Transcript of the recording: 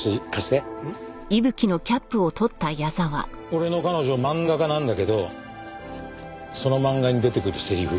俺の彼女漫画家なんだけどその漫画に出てくるセリフ。